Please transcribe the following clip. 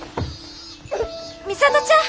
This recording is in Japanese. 美里ちゃん！